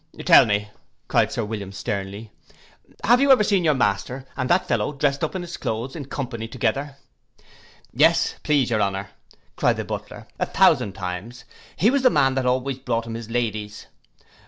'Tell me,' cried Sir William sternly, 'have you ever seen your master and that fellow drest up in his cloaths in company together?' 'Yes, please your honour,' cried the butler, 'a thousand times: he was the man that always brought him his ladies.